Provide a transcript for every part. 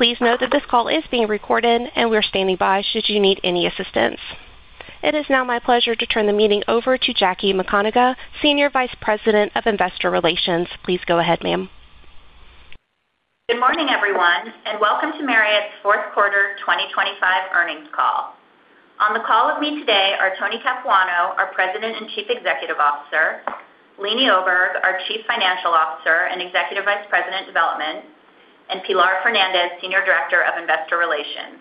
Please note that this call is being recorded, and we're standing by should you need any assistance. It is now my pleasure to turn the meeting over to Jackie McConagha, Senior Vice President of Investor Relations. Please go ahead, ma'am. Good morning, everyone, and welcome to Marriott's fourth quarter 2025 earnings call. On the call with me today are Tony Capuano, our President and Chief Executive Officer, Leeny Oberg, our Chief Financial Officer and Executive Vice President, Development, and Pilar Fernandez, Senior Director of Investor Relations.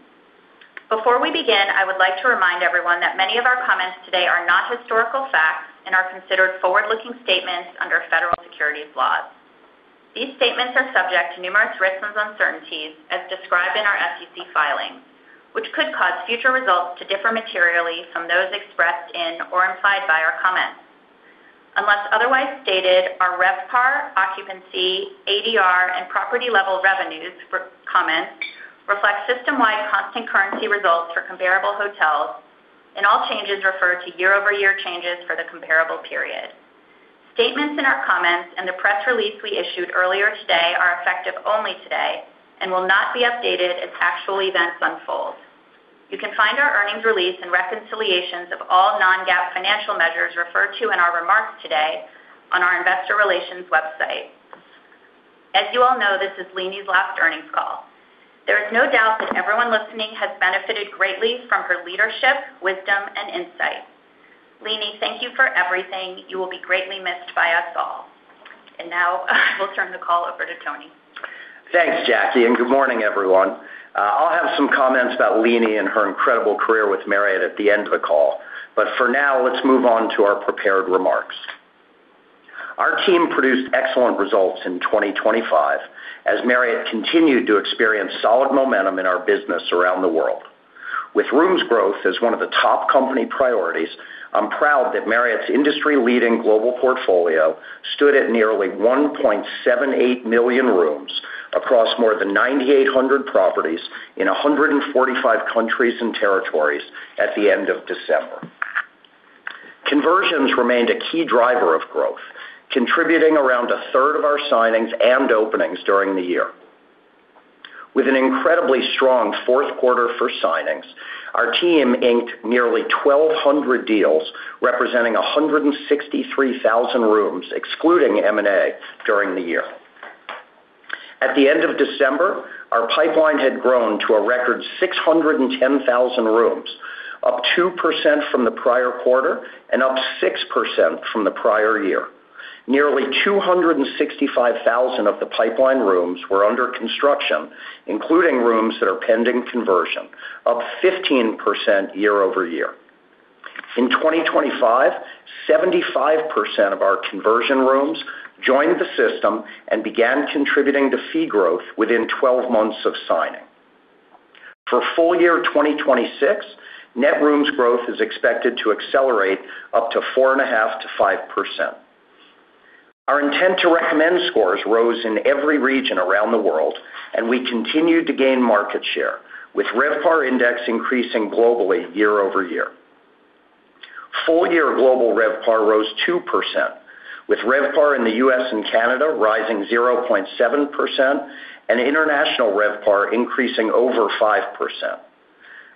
Before we begin, I would like to remind everyone that many of our comments today are not historical facts and are considered forward-looking statements under federal securities laws. These statements are subject to numerous risks and uncertainties, as described in our SEC filing, which could cause future results to differ materially from those expressed in or implied by our comments. Unless otherwise stated, our RevPAR, occupancy, ADR, and property-level revenues for comments reflect system-wide constant currency results for comparable hotels, and all changes refer to year-over-year changes for the comparable period. Statements in our comments and the press release we issued earlier today are effective only today and will not be updated as actual events unfold. You can find our earnings release and reconciliations of all non-GAAP financial measures referred to in our remarks today on our investor relations website. As you all know, this is Leeny's last earnings call. There is no doubt that everyone listening has benefited greatly from her leadership, wisdom, and insight. Leeny, thank you for everything. You will be greatly missed by us all. Now we'll turn the call over to Tony. Thanks, Jackie, and good morning, everyone. I'll have some comments about Leeny and her incredible career with Marriott at the end of the call. But for now, let's move on to our prepared remarks. Our team produced excellent results in 2025 as Marriott continued to experience solid momentum in our business around the world. With rooms growth as one of the top company priorities, I'm proud that Marriott's industry-leading global portfolio stood at nearly 1.78 million rooms across more than 9,800 properties in 145 countries and territories at the end of December. Conversions remained a key driver of growth, contributing around a third of our signings and openings during the year. With an incredibly strong fourth quarter for signings, our team inked nearly 1,200 deals, representing 163,000 rooms, excluding M&A, during the year. At the end of December, our pipeline had grown to a record 610,000 rooms, up 2% from the prior quarter and up 6% from the prior year. Nearly 265,000 of the pipeline rooms were under construction, including rooms that are pending conversion, up 15% year-over-year. In 2025, 75% of our conversion rooms joined the system and began contributing to fee growth within 12 months of signing. For full year 2026, net rooms growth is expected to accelerate up to 4.5%-5%. Our intent to recommend scores rose in every region around the world, and we continued to gain market share, with RevPAR index increasing globally year-over-year. Full year global RevPAR rose 2%, with RevPAR in the U.S. and Canada rising 0.7% and international RevPAR increasing over 5%.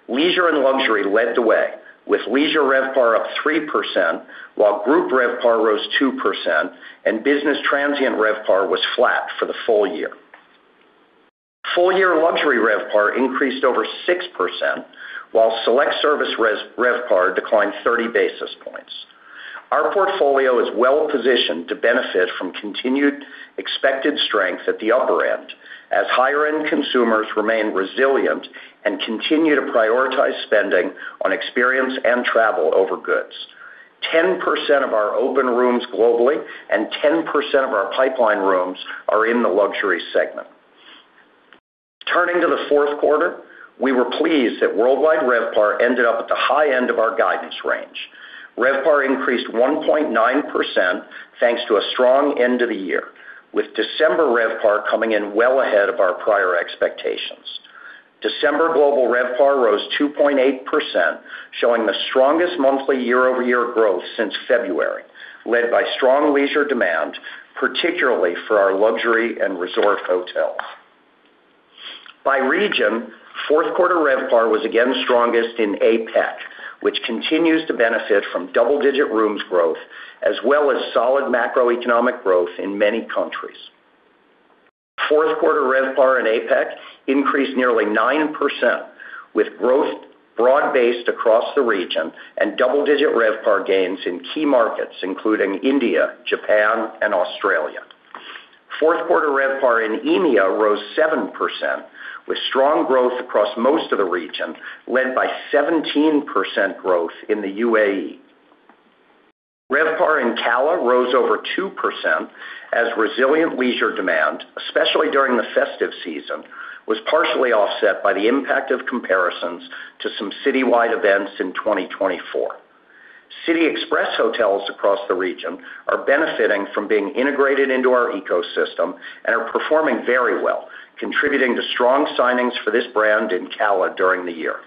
Leisure and luxury led the way, with leisure RevPAR up 3%, while group RevPAR rose 2% and business transient RevPAR was flat for the full year. Full year luxury RevPAR increased over 6%, while select service RevPAR declined 30 basis points. Our portfolio is well positioned to benefit from continued expected strength at the upper end, as higher-end consumers remain resilient and continue to prioritize spending on experience and travel over goods. 10% of our open rooms globally and 10% of our pipeline rooms are in the luxury segment. Turning to the fourth quarter, we were pleased that worldwide RevPAR ended up at the high end of our guidance range. RevPAR increased 1.9%, thanks to a strong end of the year, with December RevPAR coming in well ahead of our prior expectations. December global RevPAR rose 2.8%, showing the strongest monthly year-over-year growth since February, led by strong leisure demand, particularly for our luxury and resort hotels. By region, fourth quarter RevPAR was again strongest in APAC, which continues to benefit from double-digit rooms growth as well as solid macroeconomic growth in many countries. Fourth quarter RevPAR in APAC increased nearly 9%, with growth broad-based across the region and double-digit RevPAR gains in key markets, including India, Japan, and Australia. Fourth quarter RevPAR in EMEA rose 7%, with strong growth across most of the region, led by 17% growth in the UAE. RevPAR in CALA rose over 2% as resilient leisure demand, especially during the festive season, was partially offset by the impact of comparisons to some citywide events in 2024. City Express hotels across the region are benefiting from being integrated into our ecosystem and are performing very well, contributing to strong signings for this brand in CALA during the year.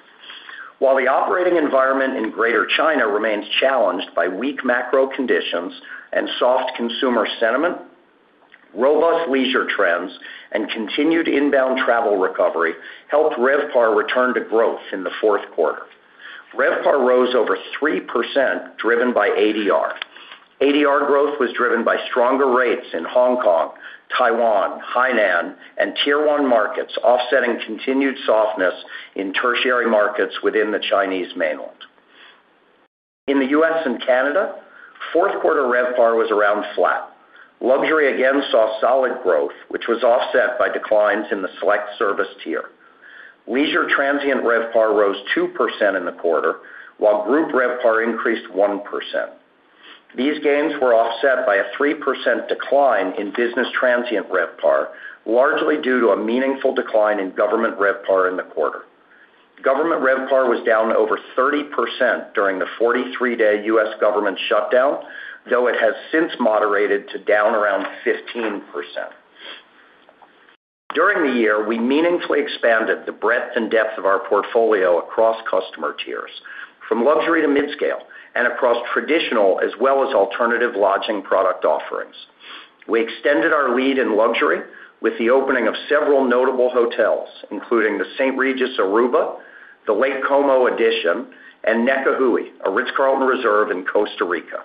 While the operating environment in Greater China remains challenged by weak macro conditions and soft consumer sentiment, robust leisure trends and continued inbound travel recovery helped RevPAR return to growth in the fourth quarter. RevPAR rose over 3%, driven by ADR. ADR growth was driven by stronger rates in Hong Kong, Taiwan, Hainan, and Tier One markets, offsetting continued softness in tertiary markets within the Chinese mainland. In the US and Canada, fourth quarter RevPAR was around flat. Luxury again saw solid growth, which was offset by declines in the select service tier. Leisure transient RevPAR rose 2% in the quarter, while group RevPAR increased 1%. These gains were offset by a 3% decline in business transient RevPAR, largely due to a meaningful decline in government RevPAR in the quarter. Government RevPAR was down over 30% during the 43-day U.S. government shutdown, though it has since moderated to down around 15%. During the year, we meaningfully expanded the breadth and depth of our portfolio across customer tiers, from luxury to midscale, and across traditional as well as alternative lodging product offerings. We extended our lead in luxury with the opening of several notable hotels, including the St. Regis Aruba, the Lake Como EDITION, and Nekajui, a Ritz-Carlton Reserve in Costa Rica.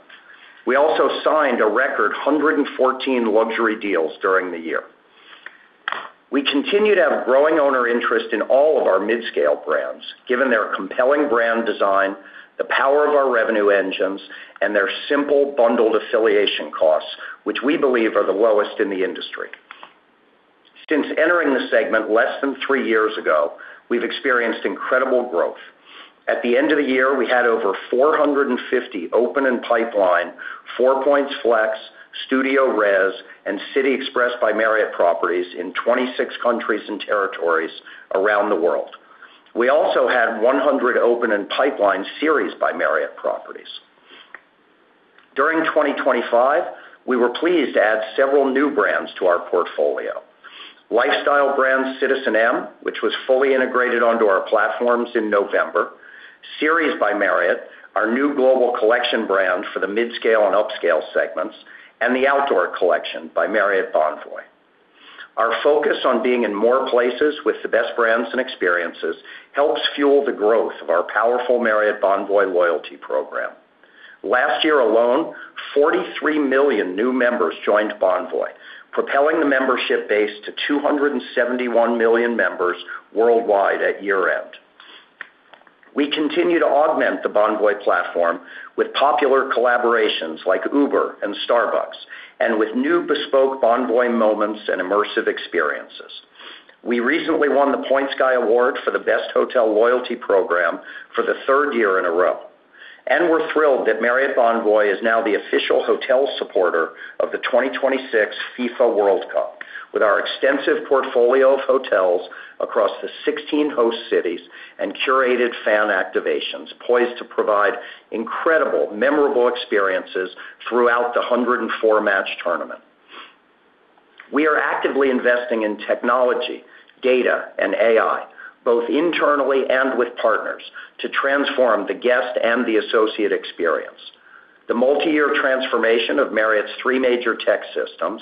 We also signed a record 114 luxury deals during the year. We continue to have growing owner interest in all of our midscale brands, given their compelling brand design, the power of our revenue engines, and their simple, bundled affiliation costs, which we believe are the lowest in the industry. Since entering the segment less than three years ago, we've experienced incredible growth. At the end of the year, we had over 450 open and pipeline Four Points Flex, StudioRes, and City Express by Marriott properties in 26 countries and territories around the world. We also had 100 open and pipeline Series by Marriott properties. During 2025, we were pleased to add several new brands to our portfolio. Lifestyle brand citizenM, which was fully integrated onto our platforms in November, Series by Marriott, our new global collection brand for the midscale and upscale segments, and the Outdoor Collection by Marriott Bonvoy. Our focus on being in more places with the best brands and experiences helps fuel the growth of our powerful Marriott Bonvoy loyalty program. Last year alone, 43 million new members joined Bonvoy, propelling the membership base to 271 million members worldwide at year-end. We continue to augment the Bonvoy platform with popular collaborations like Uber and Starbucks, and with new bespoke Bonvoy moments and immersive experiences. We recently won The Points Guy Award for the Best Hotel Loyalty Program for the third year in a row, and we're thrilled that Marriott Bonvoy is now the official hotel supporter of the 2026 FIFA World Cup, with our extensive portfolio of hotels across the 16 host cities and curated fan activations, poised to provide incredible, memorable experiences throughout the 104-match tournament. We are actively investing in technology, data, and AI, both internally and with partners, to transform the guest and the associate experience. The multi-year transformation of Marriott's three major tech systems,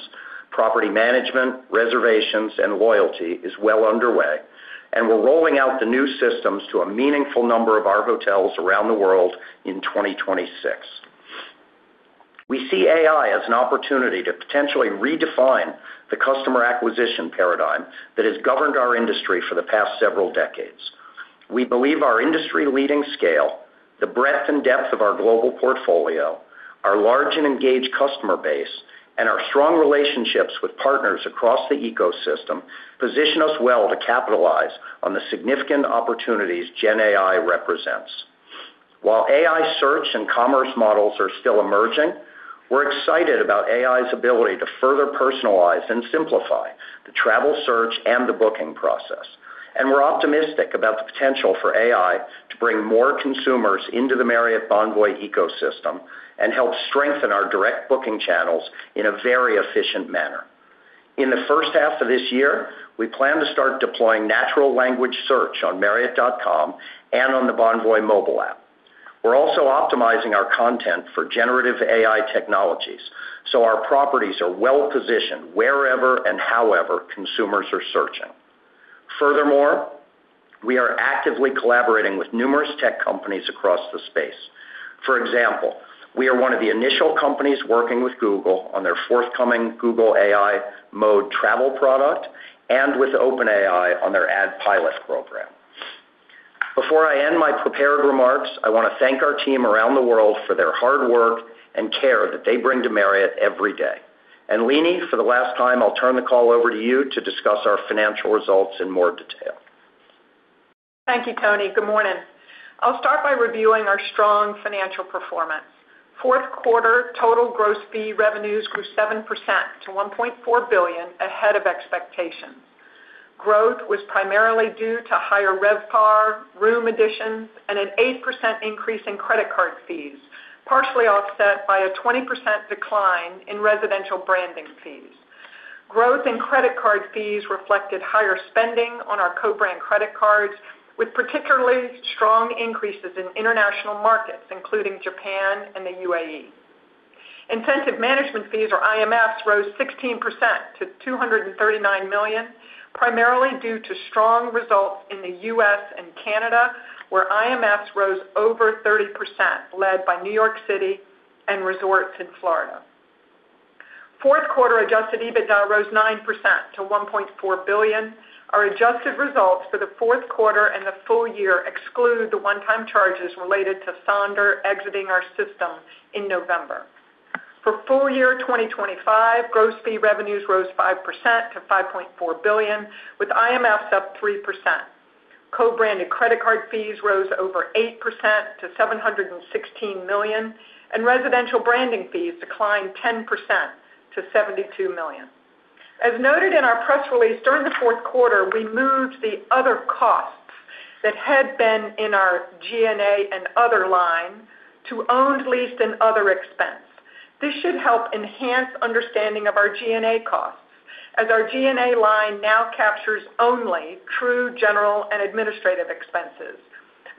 property management, reservations, and loyalty, is well underway, and we're rolling out the new systems to a meaningful number of our hotels around the world in 2026. We see AI as an opportunity to potentially redefine the customer acquisition paradigm that has governed our industry for the past several decades. We believe our industry-leading scale, the breadth and depth of our global portfolio, our large and engaged customer base, and our strong relationships with partners across the ecosystem, position us well to capitalize on the significant opportunities Gen AI represents. While AI search and commerce models are still emerging, we're excited about AI's ability to further personalize and simplify the travel search and the booking process. We're optimistic about the potential for AI to bring more consumers into the Marriott Bonvoy ecosystem and help strengthen our direct booking channels in a very efficient manner. In the first half of this year, we plan to start deploying natural language search on Marriott.com and on the Bonvoy mobile app. We're also optimizing our content for generative AI technologies, so our properties are well positioned wherever and however consumers are searching. Furthermore, we are actively collaborating with numerous tech companies across the space. For example, we are one of the initial companies working with Google on their forthcoming Google AI Mode travel product and with OpenAI on their Ad Pilot program. Before I end my prepared remarks, I want to thank our team around the world for their hard work and care that they bring to Marriott every day. And, Leeny, for the last time, I'll turn the call over to you to discuss our financial results in more detail. Thank you, Tony. Good morning. I'll start by reviewing our strong financial performance. Fourth quarter total gross fee revenues grew 7% to $1.4 billion, ahead of expectations. Growth was primarily due to higher RevPAR, room additions, and an 8% increase in credit card fees, partially offset by a 20% decline in residential branding fees.... Growth in credit card fees reflected higher spending on our co-brand credit cards, with particularly strong increases in international markets, including Japan and the UAE. Incentive management fees, or IMFs, rose 16% to $239 million, primarily due to strong results in the U.S. and Canada, where IMFs rose over 30%, led by New York City and resorts in Florida. Fourth quarter Adjusted EBITDA rose 9% to $1.4 billion. Our adjusted results for the fourth quarter and the full year exclude the one-time charges related to Sonder exiting our system in November. For full year 2025, gross fee revenues rose 5% to $5.4 billion, with IMFs up 3%. Co-branded credit card fees rose over 8% to $716 million, and residential branding fees declined 10% to $72 million. As noted in our press release, during the fourth quarter, we moved the other costs that had been in our G&A and other line to owned, leased, and other expense. This should help enhance understanding of our G&A costs, as our G&A line now captures only true general and administrative expenses,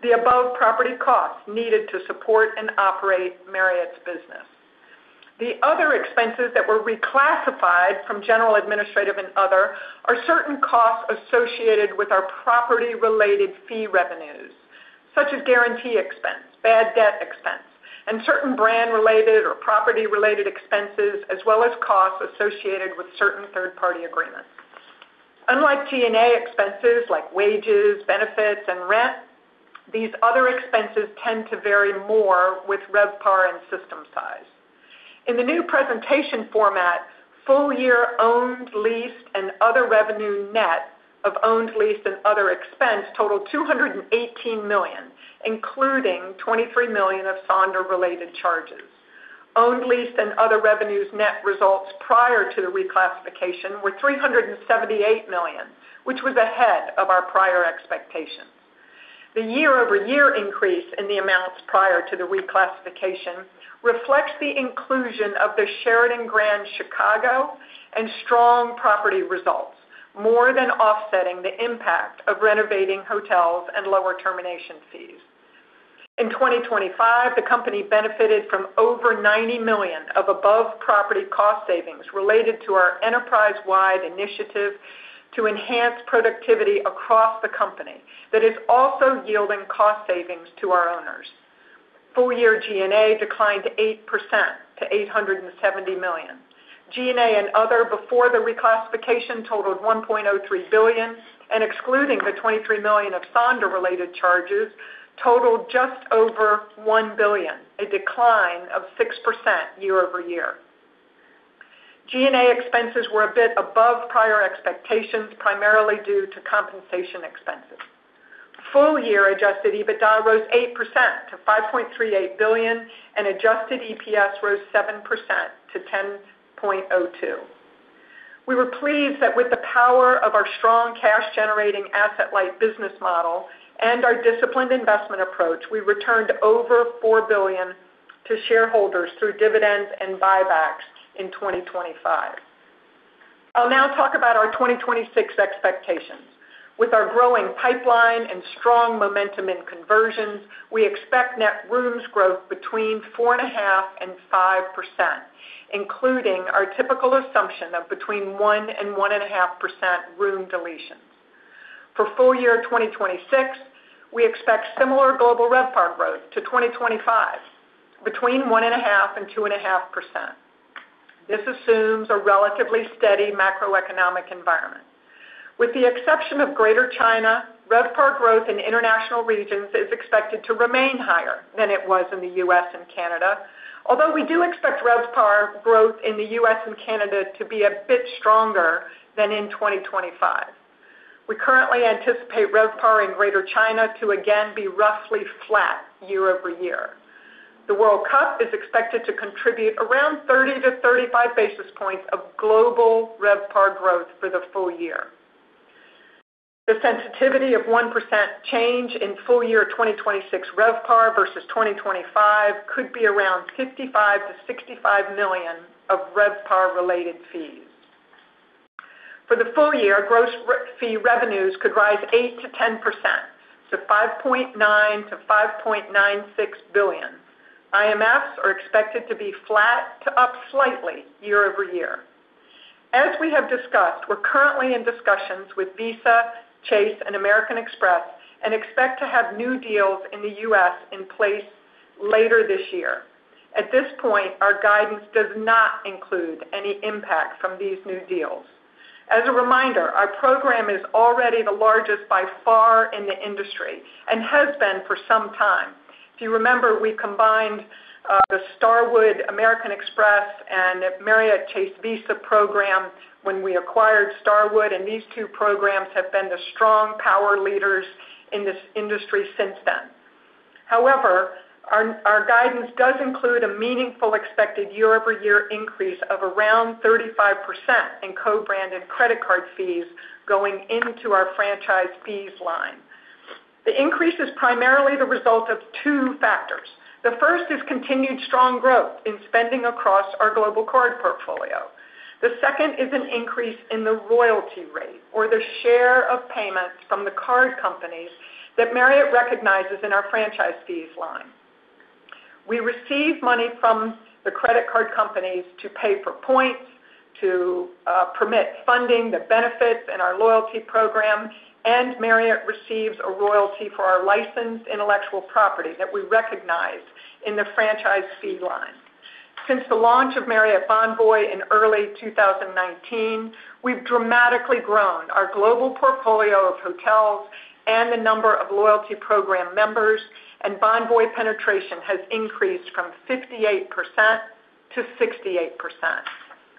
the above property costs needed to support and operate Marriott's business. The other expenses that were reclassified from general, administrative, and other are certain costs associated with our property-related fee revenues, such as guarantee expense, bad debt expense, and certain brand-related or property-related expenses, as well as costs associated with certain third-party agreements. Unlike G&A expenses like wages, benefits, and rent, these other expenses tend to vary more with RevPAR and system size. In the new presentation format, full-year owned, leased, and other revenue net of owned, leased, and other expense totaled $218 million, including $23 million of Sonder-related charges. Owned, leased, and other revenues net results prior to the reclassification were $378 million, which was ahead of our prior expectations. The year-over-year increase in the amounts prior to the reclassification reflects the inclusion of the Sheraton Grand Chicago Riverwalk and strong property results, more than offsetting the impact of renovating hotels and lower termination fees. In 2025, the company benefited from over $90 million of above-property cost savings related to our enterprise-wide initiative to enhance productivity across the company that is also yielding cost savings to our owners. Full-year G&A declined 8% to $870 million. G&A and other, before the reclassification, totaled $1.03 billion, and excluding the $23 million of Sonder-related charges, totaled just over $1 billion, a decline of 6% year-over-year. G&A expenses were a bit above prior expectations, primarily due to compensation expenses. Full-year adjusted EBITDA rose 8% to $5.38 billion, and adjusted EPS rose 7% to $10.02. We were pleased that with the power of our strong cash-generating, asset-light business model and our disciplined investment approach, we returned over $4 billion to shareholders through dividends and buybacks in 2025. I'll now talk about our 2026 expectations. With our growing pipeline and strong momentum in conversions, we expect net rooms growth between 4.5% and 5%, including our typical assumption of between 1% and 1.5% room deletions. For full year 2026, we expect similar global RevPAR growth to 2025, between 1.5% and 2.5%. This assumes a relatively steady macroeconomic environment. With the exception of Greater China, RevPAR growth in international regions is expected to remain higher than it was in the U.S. and Canada, although we do expect RevPAR growth in the U.S. and Canada to be a bit stronger than in 2025. We currently anticipate RevPAR in Greater China to again be roughly flat year over year. The World Cup is expected to contribute around 30-35 basis points of global RevPAR growth for the full year. The sensitivity of 1% change in full year 2026 RevPAR versus 2025 could be around $55 million-$65 million of RevPAR-related fees. For the full year, gross fee revenues could rise 8%-10% to $5.9 billion-$5.96 billion. IMFs are expected to be flat to up slightly year-over-year. As we have discussed, we're currently in discussions with Visa, Chase, and American Express, and expect to have new deals in the U.S. in place later this year. At this point, our guidance does not include any impact from these new deals. As a reminder, our program is already the largest by far in the industry and has been for some time. If you remember, we combined the Starwood American Express and Marriott Chase Visa program when we acquired Starwood, and these two programs have been the strong power leaders in this industry since then. However, our guidance does include a meaningful expected year-over-year increase of around 35% in co-branded credit card fees going into our franchise fees line. The increase is primarily the result of two factors. The first is continued strong growth in spending across our global card portfolio. The second is an increase in the royalty rate or the share of payments from the card companies that Marriott recognizes in our franchise fees line. We receive money from the credit card companies to pay for points, to permit funding the benefits in our loyalty program, and Marriott receives a royalty for our licensed intellectual property that we recognize in the franchise fee line. Since the launch of Marriott Bonvoy in early 2019, we've dramatically grown our global portfolio of hotels and the number of loyalty program members, and Bonvoy penetration has increased from 58% to 68%.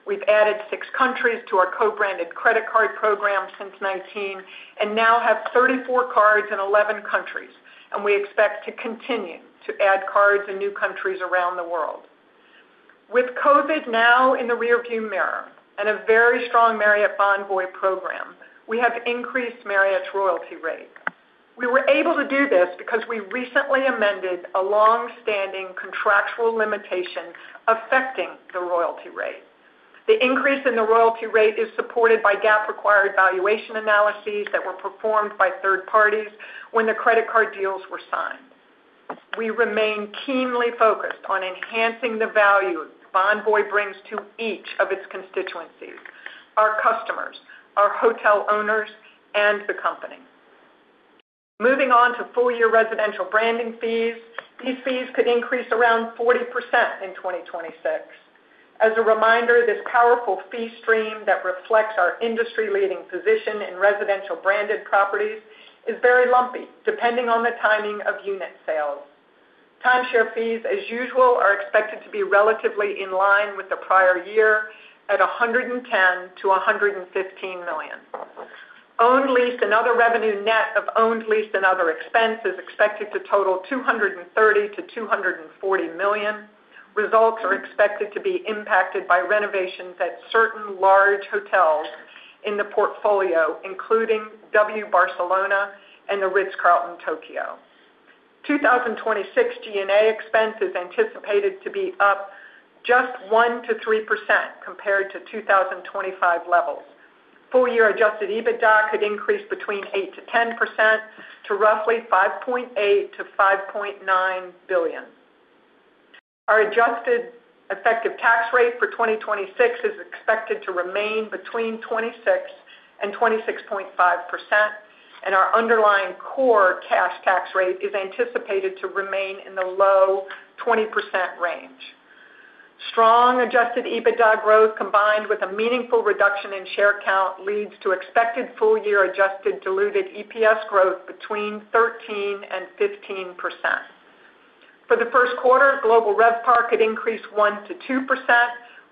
We've added 6 countries to our co-branded credit card program since 2019, and now have 34 cards in 11 countries, and we expect to continue to add cards in new countries around the world. With COVID now in the rearview mirror and a very strong Marriott Bonvoy program, we have increased Marriott's royalty rate. We were able to do this because we recently amended a long-standing contractual limitation affecting the royalty rate. The increase in the royalty rate is supported by GAAP-required valuation analyses that were performed by third parties when the credit card deals were signed. We remain keenly focused on enhancing the value Bonvoy brings to each of its constituencies, our customers, our hotel owners, and the company. Moving on to full-year residential branding fees. These fees could increase around 40% in 2026. As a reminder, this powerful fee stream that reflects our industry-leading position in residential branded properties is very lumpy, depending on the timing of unit sales. Timeshare fees, as usual, are expected to be relatively in line with the prior year at $110 million-$115 million. Owned, leased, and other revenue net of owned, leased, and other expense is expected to total $230 million-$240 million. Results are expected to be impacted by renovations at certain large hotels in the portfolio, including W Barcelona and the Ritz-Carlton Tokyo. 2026 G&A expense is anticipated to be up just 1%-3% compared to 2025 levels. Full-year Adjusted EBITDA could increase between 8% to 10% to roughly $5.8 billion to $5.9 billion. Our adjusted effective tax rate for 2026 is expected to remain between 26% and 26.5%, and our underlying core cash tax rate is anticipated to remain in the low 20% range. Strong Adjusted EBITDA growth, combined with a meaningful reduction in share count, leads to expected full-year adjusted diluted EPS growth between 13% and 15%. For the first quarter, global RevPAR could increase 1%-2%,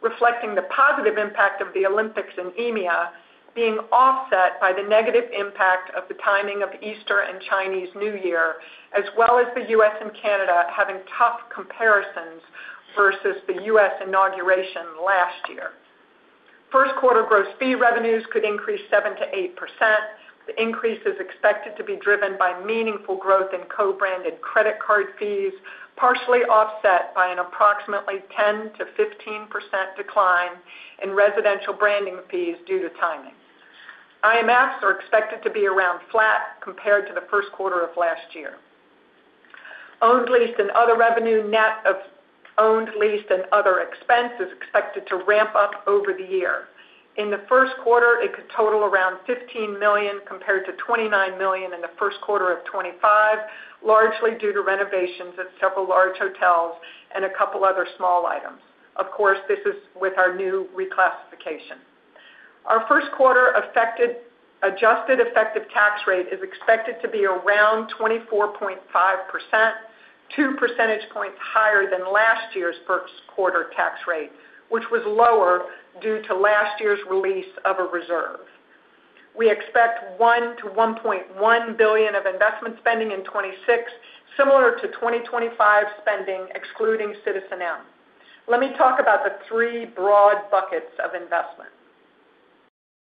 reflecting the positive impact of the Olympics in EMEA, being offset by the negative impact of the timing of Easter and Chinese New Year, as well as the US and Canada having tough comparisons versus the U.S. inauguration last year. First quarter gross fee revenues could increase 7%-8%. The increase is expected to be driven by meaningful growth in co-branded credit card fees, partially offset by an approximately 10%-15% decline in residential branding fees due to timing. IMFs are expected to be around flat compared to the first quarter of last year. Owned, leased, and other revenue net of owned, leased, and other expense is expected to ramp up over the year. In the first quarter, it could total around $15 million compared to $29 million in the first quarter of 2025, largely due to renovations at several large hotels and a couple other small items. Of course, this is with our new reclassification. Our first quarter adjusted effective tax rate is expected to be around 24.5%, 2 percentage points higher than last year's first quarter tax rate, which was lower due to last year's release of a reserve. We expect $1-$1.1 billion of investment spending in 2026, similar to 2025 spending, excluding citizenM. Let me talk about the three broad buckets of investment.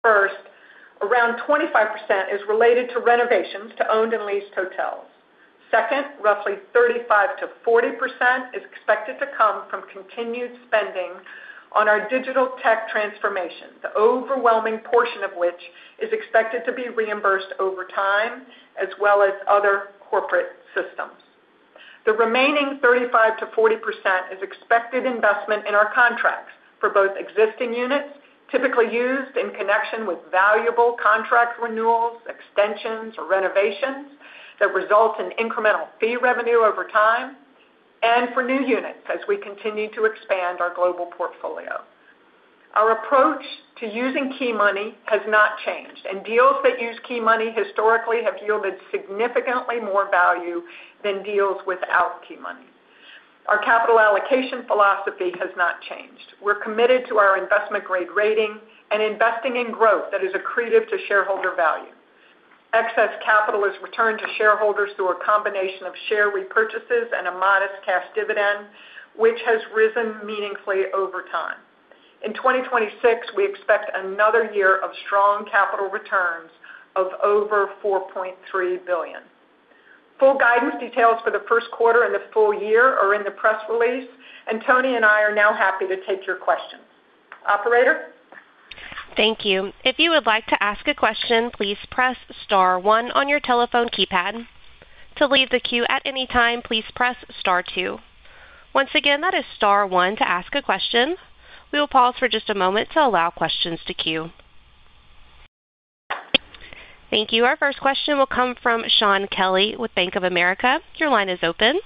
First, around 25% is related to renovations to owned and leased hotels. Second, roughly 35%-40% is expected to come from continued spending on our digital tech transformation, the overwhelming portion of which is expected to be reimbursed over time, as well as other corporate systems. The remaining 35%-40% is expected investment in our contracts for both existing units, typically used in connection with valuable contract renewals, extensions, or renovations that result in incremental fee revenue over time, and for new units as we continue to expand our global portfolio. Our approach to using key money has not changed, and deals that use key money historically have yielded significantly more value than deals without key money. Our capital allocation philosophy has not changed. We're committed to our investment-grade rating and investing in growth that is accretive to shareholder value. Excess capital is returned to shareholders through a combination of share repurchases and a modest cash dividend, which has risen meaningfully over time. In 2026, we expect another year of strong capital returns of over $4.3 billion. Full guidance details for the first quarter and the full year are in the press release, and Tony and I are now happy to take your questions. Operator? Thank you. If you would like to ask a question, please press star one on your telephone keypad. To leave the queue at any time, please press star two. Once again, that is star one to ask a question. We will pause for just a moment to allow questions to queue. Thank you. Our first question will come from Shaun Kelley with Bank of America. Your line is open.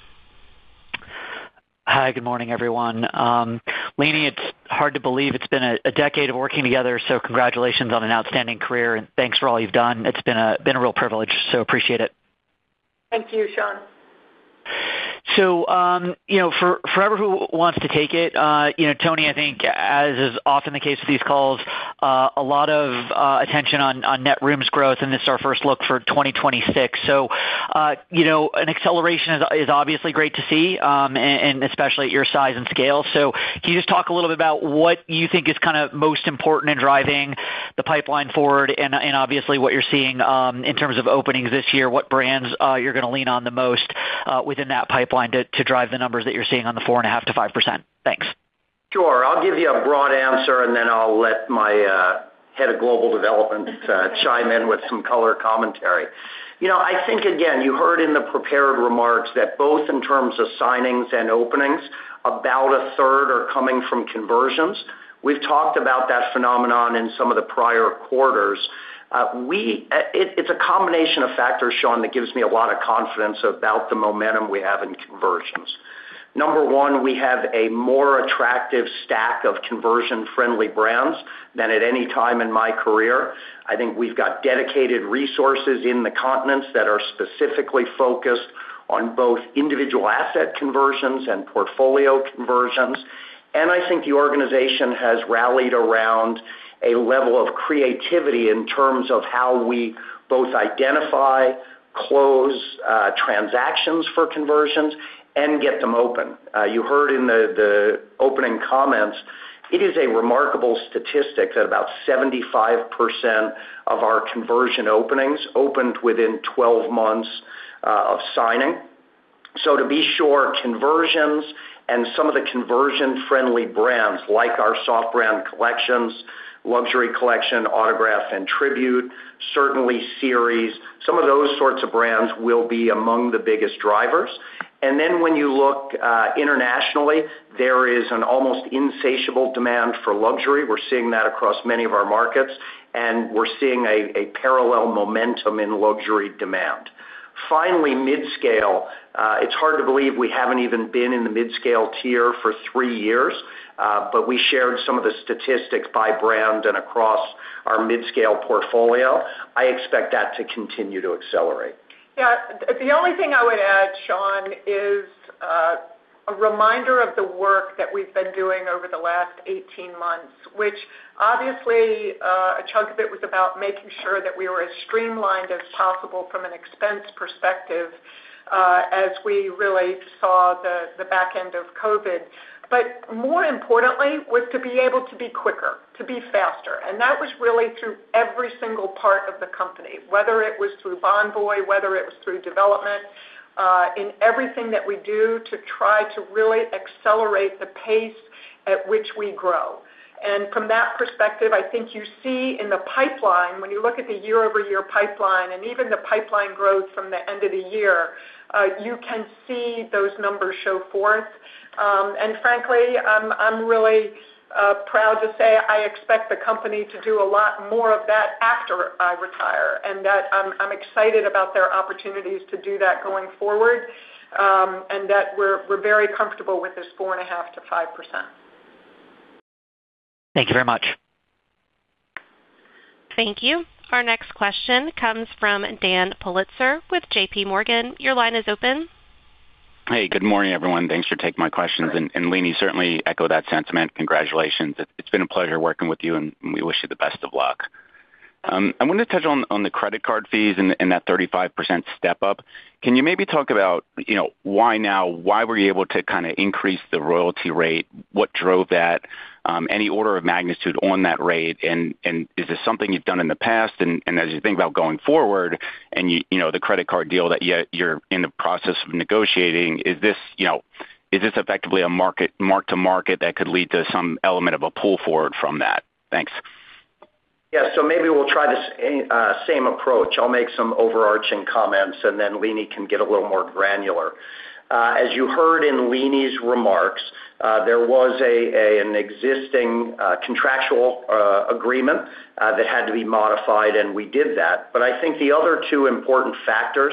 Hi, good morning, everyone. Leeny, it's hard to believe it's been a decade of working together, so congratulations on an outstanding career, and thanks for all you've done. It's been a real privilege, so appreciate it. Thank you, Shaun. So, you know, for whoever wants to take it, you know, Tony, I think as is often the case with these calls, a lot of attention on net rooms growth, and this is our first look for 2026. So, you know, an acceleration is obviously great to see, and especially at your size and scale. So can you just talk a little bit about what you think is kind of most important in driving the pipeline forward and obviously, what you're seeing in terms of openings this year, what brands you're gonna lean on the most within that pipeline to drive the numbers that you're seeing on the 4.5% to 5%? Thanks. Sure. I'll give you a broad answer, and then I'll let my Head of Global Development chime in with some color commentary. You know, I think, again, you heard in the prepared remarks that both in terms of signings and openings, about a third are coming from conversions. We've talked about that phenomenon in some of the prior quarters. It's a combination of factors, Sean, that gives me a lot of confidence about the momentum we have in conversions. Number one, we have a more attractive stack of conversion-friendly brands than at any time in my career. I think we've got dedicated resources in the continents that are specifically focused on both individual asset conversions and portfolio conversions, and I think the organization has rallied around a level of creativity in terms of how we both identify, close, transactions for conversions and get them open. You heard in the opening comments, it is a remarkable statistic that about 75% of our conversion openings opened within 12 months of signing. So to be sure, conversions and some of the conversion-friendly brands, like our soft brand collections, Luxury Collection, Autograph and Tribute, certainly Series, some of those sorts of brands will be among the biggest drivers. And then when you look internationally, there is an almost insatiable demand for luxury. We're seeing that across many of our markets, and we're seeing a parallel momentum in luxury demand. Finally, midscale. It's hard to believe we haven't even been in the midscale tier for three years, but we shared some of the statistics by brand and across our midscale portfolio. I expect that to continue to accelerate. Yeah, the only thing I would add, Sean, is a reminder of the work that we've been doing over the last eighteen months, which obviously a chunk of it was about making sure that we were as streamlined as possible from an expense perspective, as we really saw the, the back end of COVID. But more importantly, was to be able to be quicker, to be faster, and that was really through every single part of the company, whether it was through Bonvoy, whether it was through development, in everything that we do to try to really accelerate the pace at which we grow. And from that perspective, I think you see in the pipeline, when you look at the year-over-year pipeline and even the pipeline growth from the end of the year, you can see those numbers show forth. Frankly, I'm really proud to say I expect the company to do a lot more of that after I retire, and that I'm excited about their opportunities to do that going forward, and that we're very comfortable with this 4.5% to 5%. Thank you very much. Thank you. Our next question comes from Dan Politzer with J.P. Morgan. Your line is open. Hey, good morning, everyone. Thanks for taking my questions. And Leeny, certainly echo that sentiment. Congratulations. It's been a pleasure working with you, and we wish you the best of luck. I wanted to touch on the credit card fees and that 35% step up. Can you maybe talk about, you know, why now? Why were you able to kind of increase the royalty rate? What drove that? Any order of magnitude on that rate, and is this something you've done in the past, and as you think about going forward, and you know, the credit card deal that you're in the process of negotiating, is this, you know, is this effectively a mark-to-market that could lead to some element of a pull forward from that? Thanks. Yeah, so maybe we'll try this same approach. I'll make some overarching comments, and then Leeny can get a little more granular. As you heard in Leeny's remarks, there was an existing contractual agreement that had to be modified, and we did that. But I think the other two important factors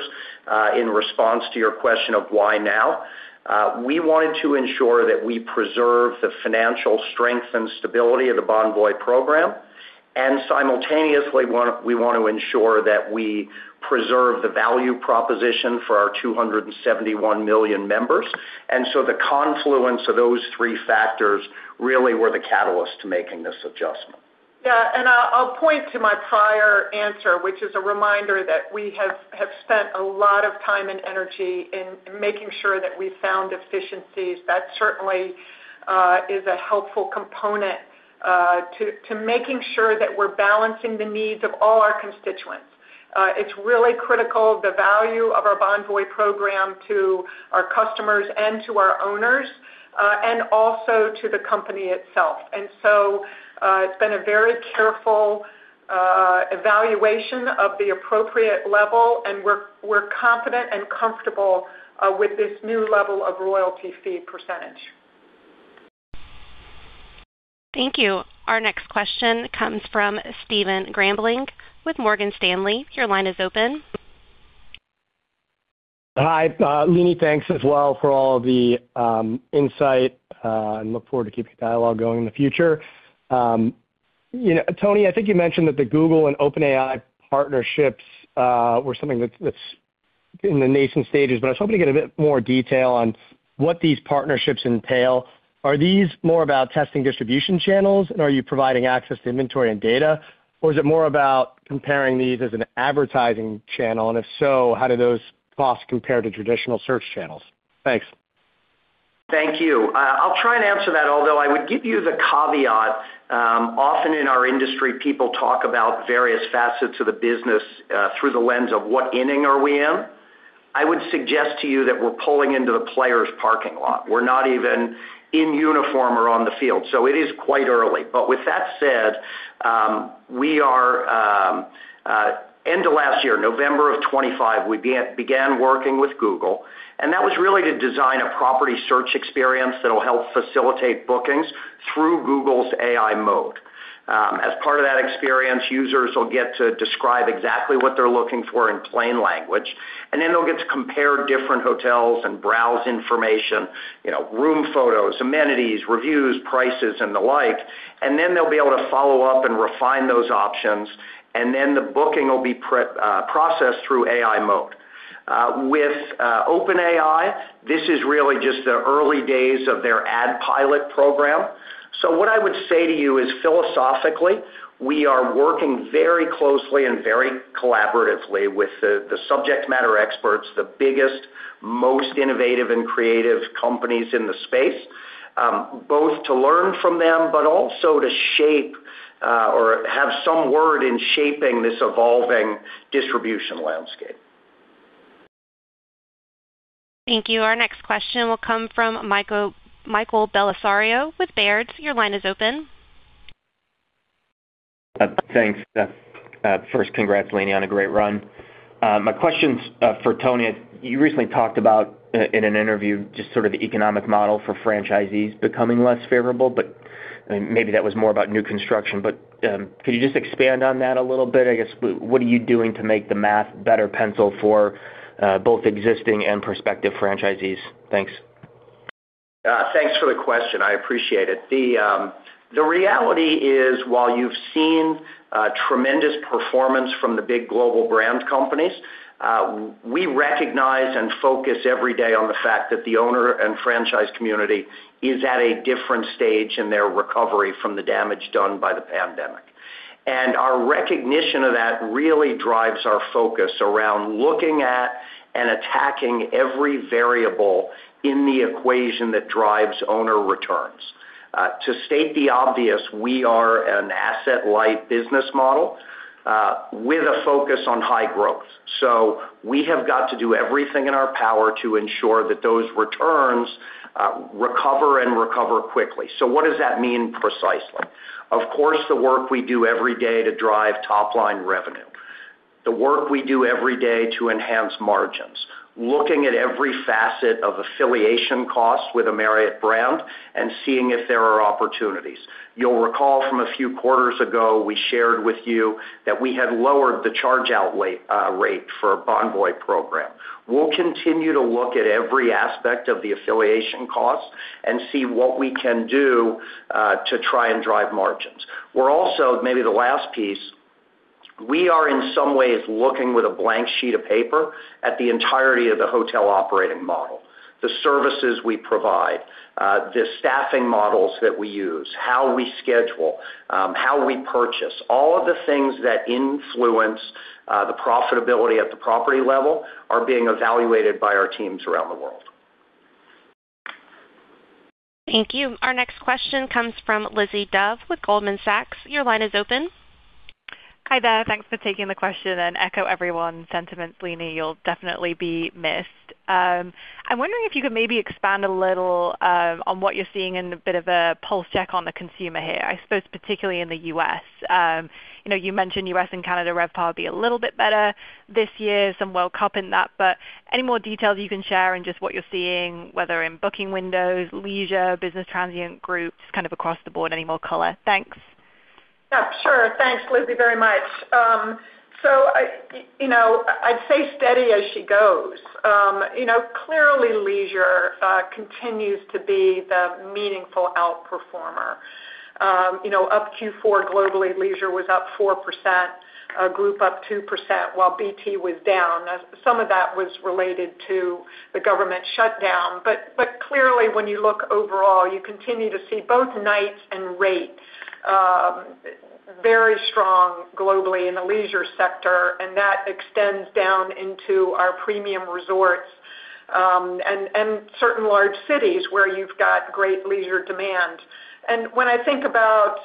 in response to your question of why now, we wanted to ensure that we preserve the financial strength and stability of the Bonvoy program, and simultaneously, we want to ensure that we preserve the value proposition for our 271 million members. And so the confluence of those three factors really were the catalyst to making this adjustment.... Yeah, and I'll point to my prior answer, which is a reminder that we have spent a lot of time and energy in making sure that we've found efficiencies. That certainly is a helpful component to making sure that we're balancing the needs of all our constituents. It's really critical, the value of our Bonvoy program to our customers and to our owners, and also to the company itself. And so, it's been a very careful evaluation of the appropriate level, and we're confident and comfortable with this new level of royalty fee percentage. Thank you. Our next question comes from Stephen Grambling with Morgan Stanley. Your line is open. Hi, Leeny, thanks as well for all the insight, and look forward to keeping the dialogue going in the future. You know, Tony, I think you mentioned that the Google and OpenAI partnerships were something that's, that's in the nascent stages, but I was hoping to get a bit more detail on what these partnerships entail. Are these more about testing distribution channels, and are you providing access to inventory and data? Or is it more about comparing these as an advertising channel, and if so, how do those costs compare to traditional search channels? Thanks. Thank you. I'll try and answer that, although I would give you the caveat, often in our industry, people talk about various facets of the business, through the lens of what inning are we in? I would suggest to you that we're pulling into the players' parking lot. We're not even in uniform or on the field, so it is quite early. But with that said, we are, end of last year, November of 2025, we began working with Google, and that was really to design a property search experience that'll help facilitate bookings through Google's AI Mode. As part of that experience, users will get to describe exactly what they're looking for in plain language, and then they'll get to compare different hotels and browse information, you know, room photos, amenities, reviews, prices, and the like. And then they'll be able to follow up and refine those options, and then the booking will be pre-processed through AI mode. With OpenAI, this is really just the early days of their ad pilot program. So what I would say to you is, philosophically, we are working very closely and very collaboratively with the subject matter experts, the biggest, most innovative and creative companies in the space, both to learn from them, but also to shape or have some word in shaping this evolving distribution landscape. Thank you. Our next question will come from Michael, Michael Bellisario with Baird. Your line is open. Thanks. First, congrats, Leeny, on a great run. My question's for Tony. You recently talked about in an interview just sort of the economic model for franchisees becoming less favorable, but maybe that was more about new construction. But could you just expand on that a little bit? I guess, what are you doing to make the math better pencil for both existing and prospective franchisees? Thanks. Thanks for the question. I appreciate it. The reality is, while you've seen a tremendous performance from the big global brand companies, we recognize and focus every day on the fact that the owner and franchise community is at a different stage in their recovery from the damage done by the pandemic. And our recognition of that really drives our focus around looking at and attacking every variable in the equation that drives owner returns. To state the obvious, we are an asset-light business model, with a focus on high growth. So we have got to do everything in our power to ensure that those returns recover and recover quickly. So what does that mean precisely? Of course, the work we do every day to drive top-line revenue, the work we do every day to enhance margins, looking at every facet of affiliation costs with a Marriott brand and seeing if there are opportunities. You'll recall from a few quarters ago, we shared with you that we had lowered the charge-out rate, rate for Bonvoy program. We'll continue to look at every aspect of the affiliation costs and see what we can do, to try and drive margins. We're also, maybe the last piece, we are, in some ways, looking with a blank sheet of paper at the entirety of the hotel operating model, the services we provide, the staffing models that we use, how we schedule, how we purchase. All of the things that influence, the profitability at the property level are being evaluated by our teams around the world. Thank you. Our next question comes from Lizzie Dove with Goldman Sachs. Your line is open. Hi there. Thanks for taking the question, and echo everyone's sentiments, Leeny, you'll definitely be missed. I'm wondering if you could maybe expand a little, on what you're seeing in a bit of a pulse check on the consumer here, I suppose, particularly in the U.S. You know, you mentioned US and Canada RevPAR would be a little bit better this year, some World Cup in that, but any more details you can share in just what you're seeing, whether in booking windows, leisure, business transient groups, kind of across the board, any more color? Thanks. Yeah, sure. Thanks, Lizzie, very much. So I, you know, I'd say steady as she goes. You know, clearly, leisure continues to be the meaningful outperformer. You know, up Q4, globally, leisure was up 4%, group up 2%, while BT was down. Some of that was related to the government shutdown. But clearly, when you look overall, you continue to see both nights and rates... very strong globally in the leisure sector, and that extends down into our premium resorts, and certain large cities where you've got great leisure demand. And when I think about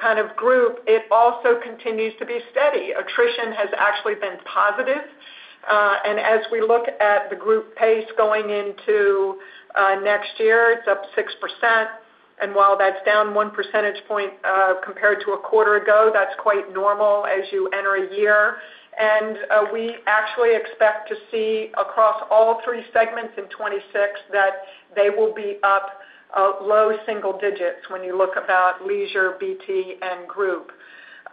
kind of group, it also continues to be steady. Attrition has actually been positive, and as we look at the group pace going into next year, it's up 6%, and while that's down one percentage point compared to a quarter ago, that's quite normal as you enter a year. And we actually expect to see across all three segments in 2026 that they will be up low single digits when you look about leisure, BT, and group.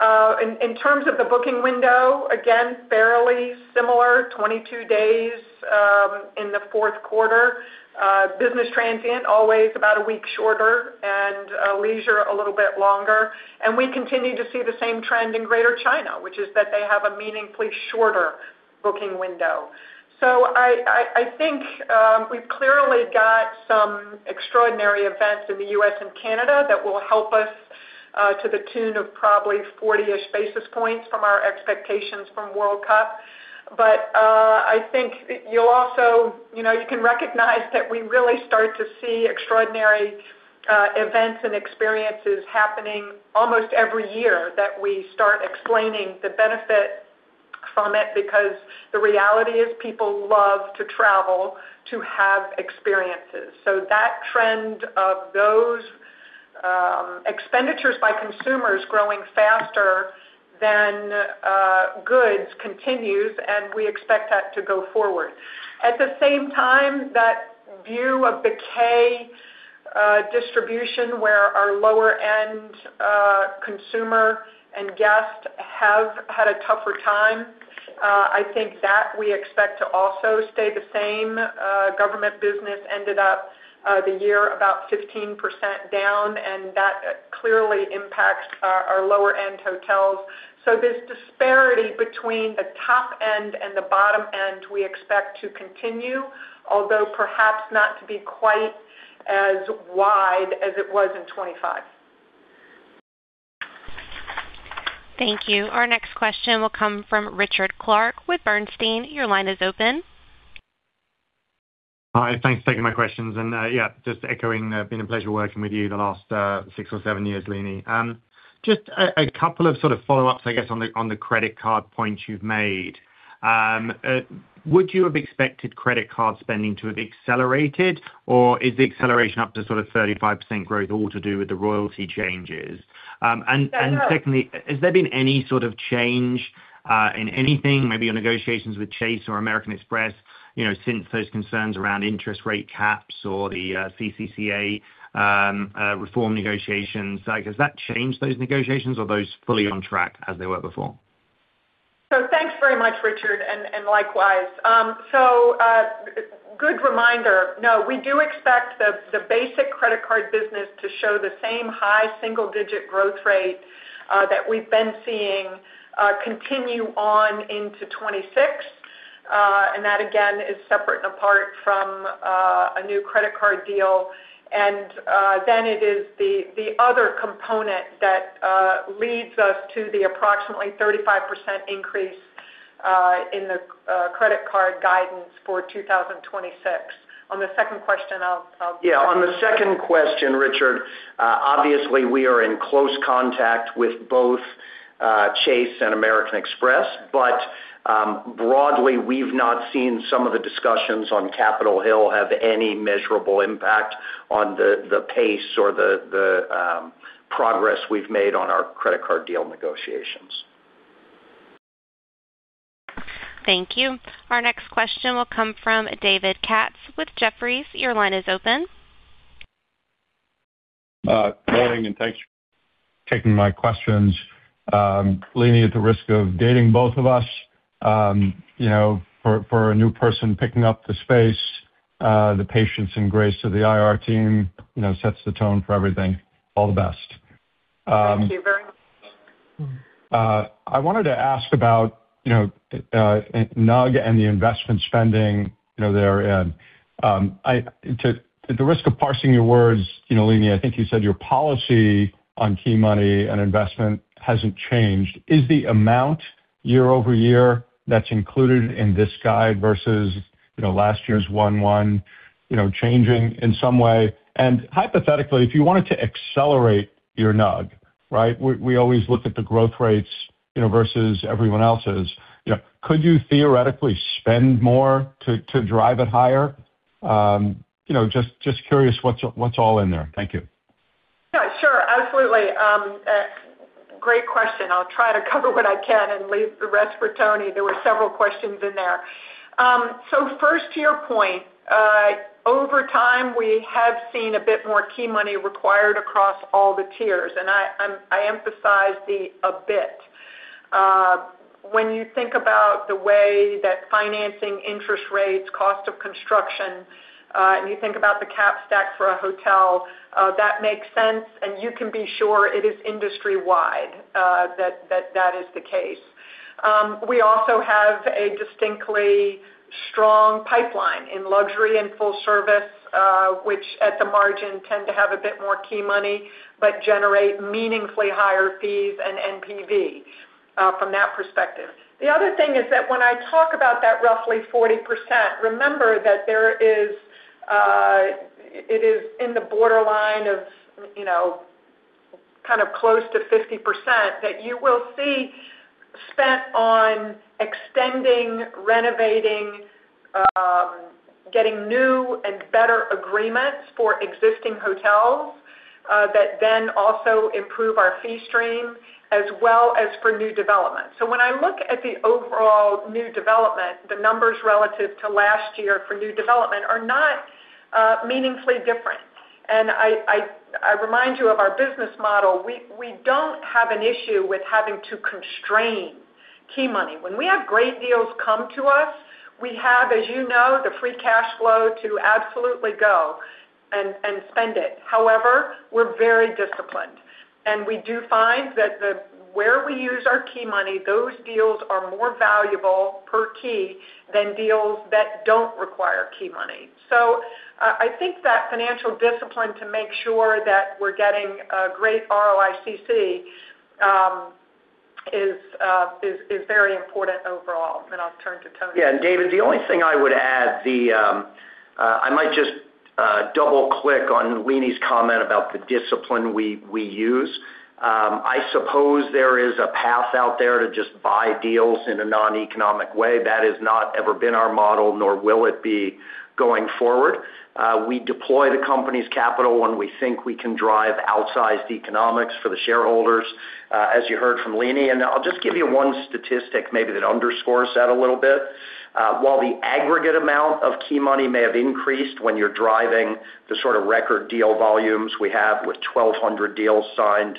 In terms of the booking window, again, fairly similar, 22 days, in the fourth quarter. Business transient, always about a week shorter, and, leisure, a little bit longer. And we continue to see the same trend in Greater China, which is that they have a meaningfully shorter booking window. So I think, we've clearly got some extraordinary events in the U.S. and Canada that will help us, to the tune of probably 40-ish basis points from our expectations from World Cup. But, I think you'll also, you know, you can recognize that we really start to see extraordinary, events and experiences happening almost every year, that we start explaining the benefit from it, because the reality is people love to travel to have experiences. So that trend of those expenditures by consumers growing faster than goods continues, and we expect that to go forward. At the same time, that view of the K distribution, where our lower-end consumer and guest have had a tougher time, I think that we expect to also stay the same. Government business ended up the year about 15% down, and that clearly impacts our lower-end hotels. So this disparity between the top end and the bottom end, we expect to continue, although perhaps not to be quite as wide as it was in 2025. Thank you. Our next question will come from Richard Clarke with Bernstein. Your line is open. Hi, thanks for taking my questions. And, yeah, just echoing, been a pleasure working with you the last, six or seven years, Leeny. Just a couple of sort of follow-ups, I guess, on the credit card point you've made. Would you have expected credit card spending to have accelerated, or is the acceleration up to sort of 35% growth all to do with the royalty changes? And, secondly, has there been any sort of change in anything, maybe your negotiations with Chase or American Express, you know, since those concerns around interest rate caps or the CCCA reform negotiations? Like, has that changed those negotiations, or are those fully on track as they were before? So thanks very much, Richard, and likewise. So good reminder. No, we do expect the basic credit card business to show the same high single-digit growth rate that we've been seeing continue on into 2026. And that again is separate and apart from a new credit card deal. And then it is the other component that leads us to the approximately 35% increase in the credit card guidance for 2026. On the second question, I'll, I'll- Yeah, on the second question, Richard, obviously, we are in close contact with both Chase and American Express, but broadly, we've not seen some of the discussions on Capitol Hill have any measurable impact on the pace or the progress we've made on our credit card deal negotiations. Thank you. Our next question will come from David Katz with Jefferies. Your line is open. Morning, and thanks for taking my questions. Leeny, at the risk of dating both of us, you know, for a new person picking up the space, the patience and grace of the IR team, you know, sets the tone for everything. All the best. Thank you very much. I wanted to ask about, you know, NUG and the investment spending, you know, there in. To, at the risk of parsing your words, you know, Leeny, I think you said your policy on key money and investment hasn't changed. Is the amount year over year that's included in this guide versus, you know, last year's one-one, you know, changing in some way? And hypothetically, if you wanted to accelerate your NUG, right, we, we always look at the growth rates, you know, versus everyone else's. You know, could you theoretically spend more to, to drive it higher? You know, just, just curious what's, what's all in there. Thank you. Yeah, sure. Absolutely. Great question. I'll try to cover what I can and leave the rest for Tony. There were several questions in there. So first, to your point, over time, we have seen a bit more key money required across all the tiers, and I emphasize the a bit. When you think about the way that financing interest rates, cost of construction, and you think about the cap stack for a hotel, that makes sense, and you can be sure it is industry-wide, that is the case. We also have a distinctly strong pipeline in luxury and full service, which at the margin, tend to have a bit more key money, but generate meaningfully higher fees and NPV, from that perspective. The other thing is that when I talk about that roughly 40%, remember that there is, it is in the borderline of, you know, kind of close to 50%, that you will see spent on extending, renovating, getting new and better agreements for existing hotels, that then also improve our fee stream as well as for new development. So when I look at the overall new development, the numbers relative to last year for new development are not meaningfully different. And I remind you of our business model. We don't have an issue with having to constrain key money. When we have great deals come to us, we have, as you know, the free cash flow to absolutely go and spend it. However, we're very disciplined, and we do find that where we use our key money, those deals are more valuable per key than deals that don't require key money. So I think that financial discipline to make sure that we're getting a great ROICC is very important overall. Then I'll turn to Tony. Yeah, and David, the only thing I would add, I might just double-click on Leeny's comment about the discipline we use. I suppose there is a path out there to just buy deals in a noneconomic way. That has not ever been our model, nor will it be going forward. We deploy the company's capital when we think we can drive outsized economics for the shareholders, as you heard from Leeny. And I'll just give you one statistic maybe that underscores that a little bit. While the aggregate amount of key money may have increased when you're driving the sort of record deal volumes we have with 1,200 deals signed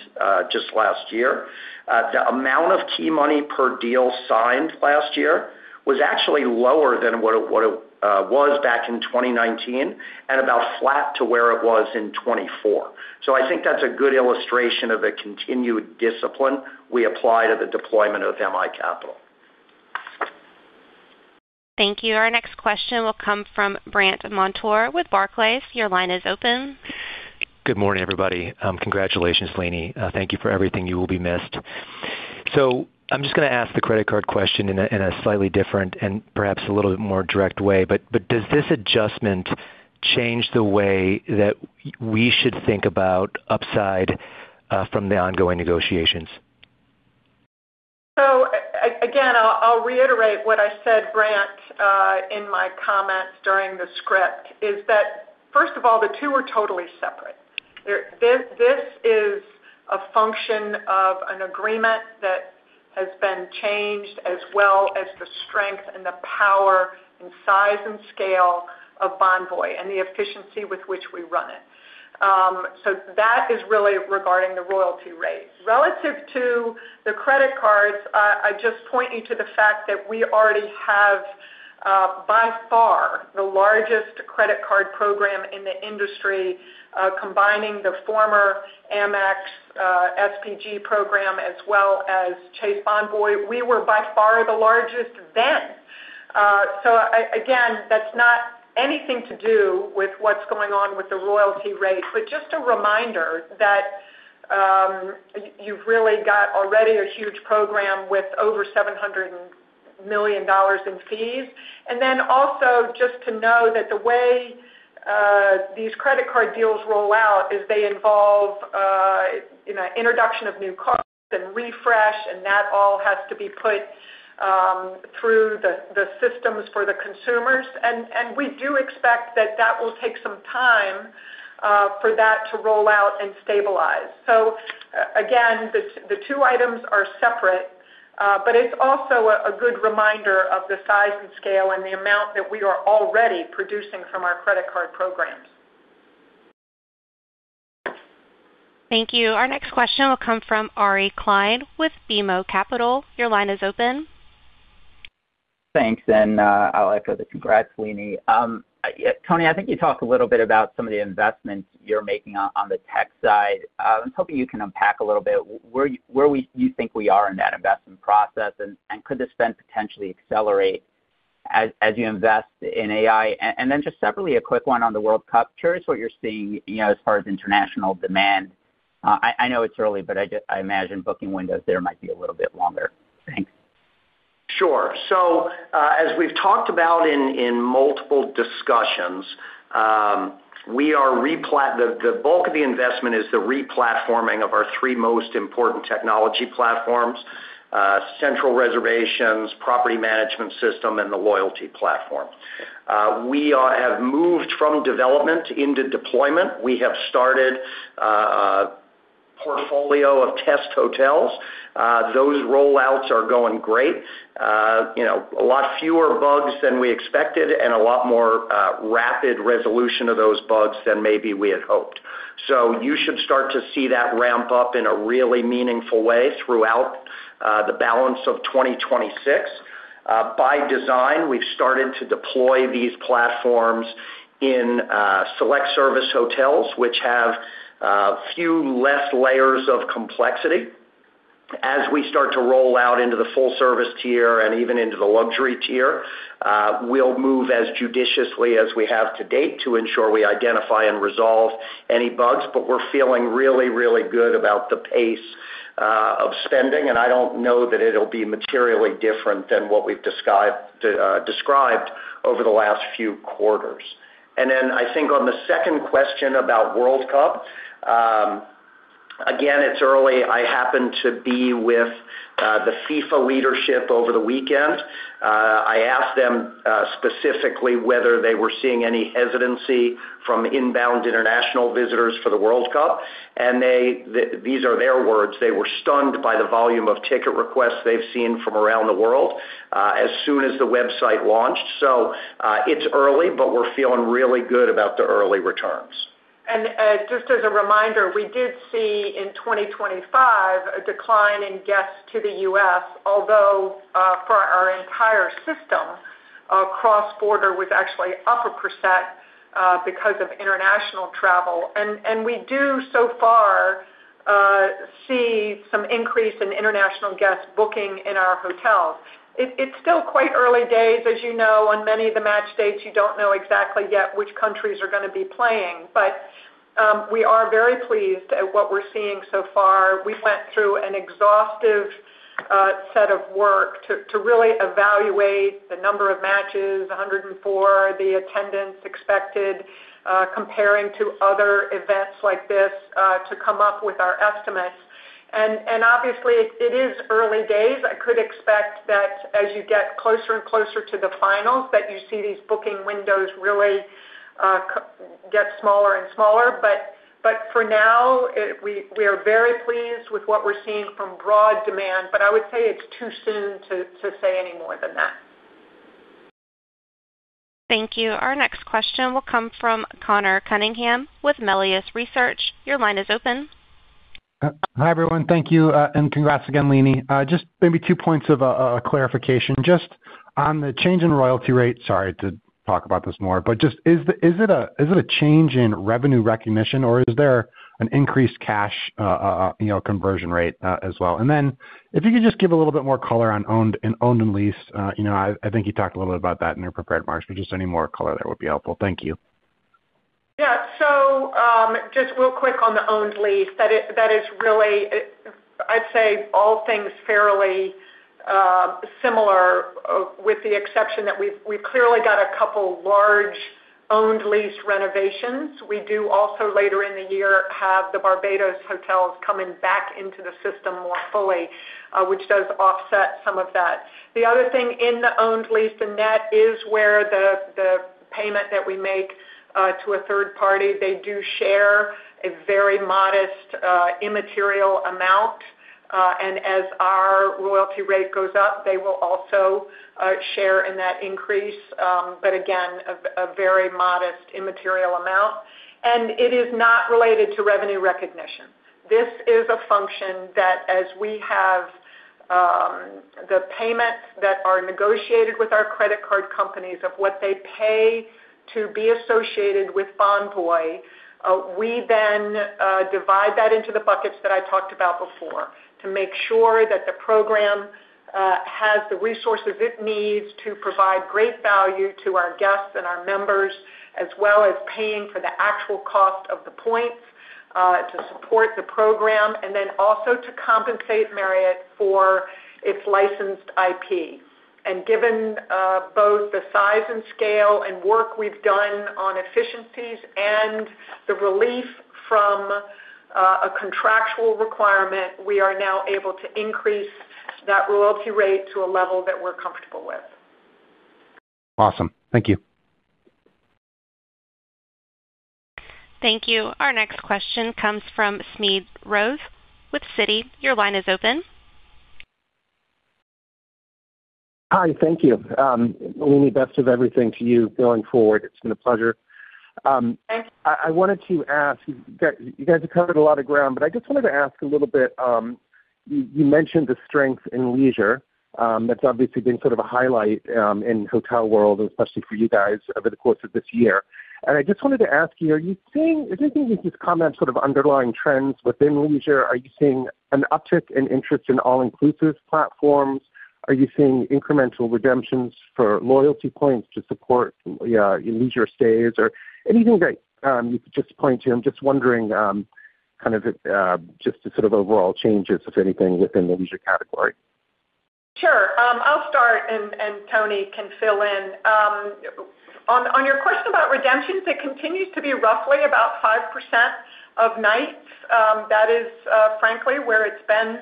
just last year, the amount of key money per deal signed last year was actually lower than what it, what it, was back in 2019, and about flat to where it was in 2024. So I think that's a good illustration of the continued discipline we apply to the deployment of MI Capital. Thank you. Our next question will come from Brandt Montour with Barclays. Your line is open. Good morning, everybody. Congratulations, Leeny. Thank you for everything. You will be missed. So I'm just gonna ask the credit card question in a slightly different and perhaps a little bit more direct way. But does this adjustment change the way that we should think about upside from the ongoing negotiations? So again, I'll reiterate what I said, Brandt, in my comments during the script, is that, first of all, the two are totally separate. This is a function of an agreement that has been changed, as well as the strength and the power and size and scale of Bonvoy and the efficiency with which we run it. So that is really regarding the royalty rate. Relative to the credit cards, I just point you to the fact that we already have, by far, the largest credit card program in the industry, combining the former Amex, SPG program as well as Chase Bonvoy. We were by far the largest then. So again, that's not anything to do with what's going on with the royalty rate, but just a reminder that you've really got already a huge program with over $700 million in fees. And then also just to know that the way these credit card deals roll out is they involve you know introduction of new cards and refresh, and that all has to be put through the systems for the consumers. And we do expect that that will take some time for that to roll out and stabilize. So again, the two items are separate, but it's also a good reminder of the size and scale and the amount that we are already producing from our credit card programs. Thank you. Our next question will come from Ari Klein with BMO Capital. Your line is open. Thanks, and, I'll echo the congrats, Leeny. Yeah, Tony, I think you talked a little bit about some of the investments you're making on, on the tech side. I was hoping you can unpack a little bit where, where we- you think we are in that investment process, and, and could the spend potentially accelerate as, as you invest in AI? And, and then just separately, a quick one on the World Cup. Curious what you're seeing, you know, as far as international demand. I, I know it's early, but I just- I imagine booking windows there might be a little bit longer. Thanks. Sure. So, as we've talked about in multiple discussions, the bulk of the investment is the replatforming of our three most important technology platforms: central reservations, property management system, and the loyalty platform. We have moved from development into deployment. We have started a portfolio of test hotels. Those rollouts are going great. You know, a lot fewer bugs than we expected and a lot more rapid resolution of those bugs than maybe we had hoped. So you should start to see that ramp up in a really meaningful way throughout the balance of 2026. By design, we've started to deploy these platforms in select service hotels, which have few less layers of complexity. As we start to roll out into the full service tier and even into the luxury tier, we'll move as judiciously as we have to date to ensure we identify and resolve any bugs, but we're feeling really, really good about the pace of spending, and I don't know that it'll be materially different than what we've described over the last few quarters. Then I think on the second question about World Cup, again, it's early. I happened to be with the FIFA leadership over the weekend. I asked them specifically whether they were seeing any hesitancy from inbound international visitors for the World Cup, and they, these are their words, they were stunned by the volume of ticket requests they've seen from around the world as soon as the website launched. So, it's early, but we're feeling really good about the early returns. Just as a reminder, we did see in 2025 a decline in guests to the U.S., although for our entire system, cross-border was actually up 1%, because of international travel. And we do so far see some increase in international guests booking in our hotels. It's still quite early days, as you know, on many of the match dates, you don't know exactly yet which countries are gonna be playing. But we are very pleased at what we're seeing so far. We went through an exhaustive set of work to really evaluate the number of matches, 104, the attendance expected, comparing to other events like this, to come up with our estimates. And obviously it is early days. I could expect that as you get closer and closer to the finals, that you see these booking windows really get smaller and smaller. But for now, we are very pleased with what we're seeing from broad demand, but I would say it's too soon to say any more than that. Thank you. Our next question will come from Conor Cunningham with Melius Research. Your line is open. Hi, everyone. Thank you, and congrats again, Leeny. Just maybe two points of clarification. Just on the change in royalty rate, sorry to talk about this more, but just is the- is it a change in revenue recognition, or is there an increased cash, you know, conversion rate as well? And then if you could just give a little bit more color on owned and owned and leased. You know, I think you talked a little bit about that in your prepared remarks, but just any more color there would be helpful. Thank you. Yeah. So, just real quick on the owned lease, that is really, I'd say all things fairly similar, with the exception that we've clearly got a couple large owned lease renovations. We do also, later in the year, have the Barbados hotels coming back into the system more fully, which does offset some of that. The other thing in the owned lease and net is where the payment that we make to a third party, they do share a very modest, immaterial amount. And as our royalty rate goes up, they will also share in that increase, but again, a very modest, immaterial amount. And it is not related to revenue recognition. This is a function that as we have the payments that are negotiated with our credit card companies of what they pay to be associated with Bonvoy, we then divide that into the buckets that I talked about before to make sure that the program has the resources it needs to provide great value to our guests and our members, as well as paying for the actual cost of the points to support the program, and then also to compensate Marriott for its licensed IP. And given both the size and scale and work we've done on efficiencies and the relief from a contractual requirement, we are now able to increase that royalty rate to a level that we're comfortable with. Awesome. Thank you. Thank you. Our next question comes from Smedes Rose with Citi. Your line is open. Hi, thank you. Leenie, best of everything to you going forward. It's been a pleasure. I wanted to ask, you guys have covered a lot of ground, but I just wanted to ask a little bit, you mentioned the strength in leisure. That's obviously been sort of a highlight in hotel world, especially for you guys over the course of this year. And I just wanted to ask you, are you seeing - is there anything in these comments, sort of underlying trends within leisure? Are you seeing an uptick in interest in all-inclusive platforms? Are you seeing incremental redemptions for loyalty points to support your leisure stays, or anything that you could just point to? I'm just wondering, kind of, just the sort of overall changes, if anything, within the leisure category. Sure. I'll start and Tony can fill in. On your question about redemptions, it continues to be roughly about 5% of nights. That is, frankly, where it's been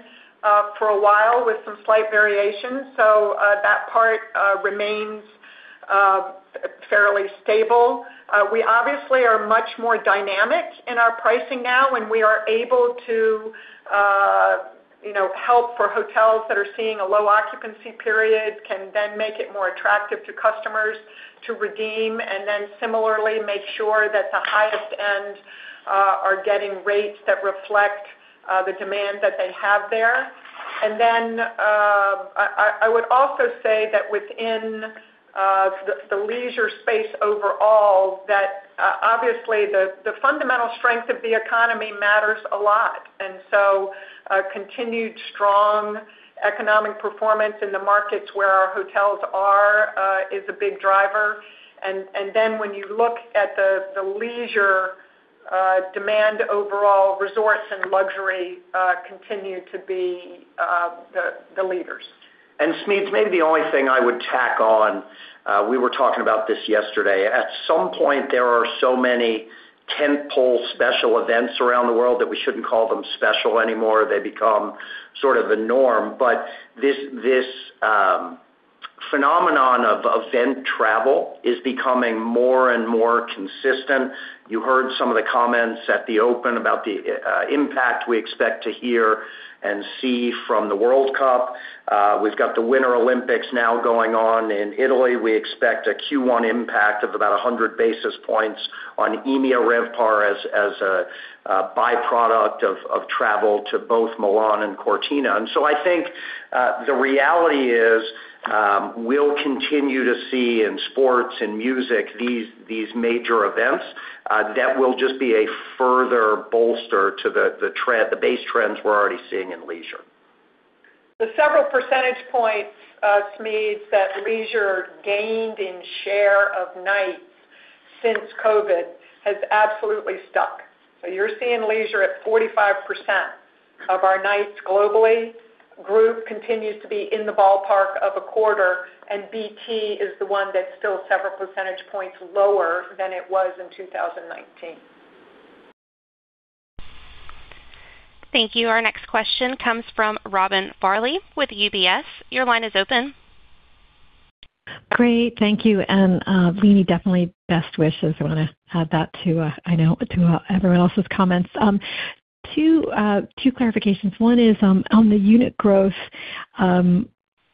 for a while, with some slight variations. So, that part remains fairly stable. We obviously are much more dynamic in our pricing now, and we are able to, you know, help for hotels that are seeing a low occupancy period, can then make it more attractive to customers to redeem, and then similarly, make sure that the highest end are getting rates that reflect the demand that they have there. And then, I would also say that within the leisure space overall, that obviously, the fundamental strength of the economy matters a lot. And so a continued strong economic performance in the markets where our hotels are is a big driver. And then when you look at the leisure demand overall, resorts and luxury continue to be the leaders. Smedes, maybe the only thing I would tack on, we were talking about this yesterday. At some point, there are so many tentpole special events around the world that we shouldn't call them special anymore. They become sort of the norm. But this, this, phenomenon of event travel is becoming more and more consistent. You heard some of the comments at the open about the impact we expect to hear and see from the World Cup. We've got the Winter Olympics now going on in Italy. We expect a Q1 impact of about 100 basis points on EMEA RevPAR as a by-product of travel to both Milan and Cortina. I think the reality is, we'll continue to see in sports and music these major events that will just be a further bolster to the trend, the base trends we're already seeing in leisure. The several percentage points, Smedes, that leisure gained in share of nights since COVID, has absolutely stuck. So you're seeing leisure at 45% of our nights globally. Group continues to be in the ballpark of a quarter, and BT is the one that's still several percentage points lower than it was in 2019. Thank you. Our next question comes from Robin Farley with UBS. Your line is open. Great, thank you. And, Leenie, definitely best wishes. I want to add that to, I know, to everyone else's comments. Two clarifications. One is, on the unit growth,